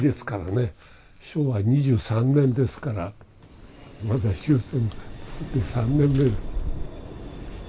昭和２３年ですからまだ終戦３年目。